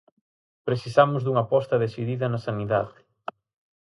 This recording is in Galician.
Precisamos dunha aposta decidida na sanidade.